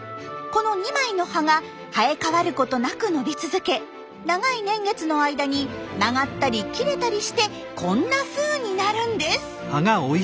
この２枚の葉が生え変わることなく伸び続け長い年月の間に曲がったり切れたりしてこんなふうになるんです。